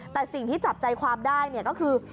แต่สิ่งที่จับใจความได้ก็คือ